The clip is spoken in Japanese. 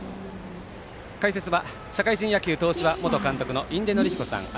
解説は社会人野球東芝元監督の印出順彦さんです。